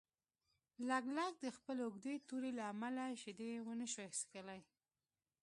لګلګ د خپلې اوږدې تورې له امله شیدې ونشوای څښلی.